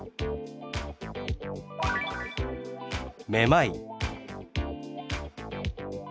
「めまい」。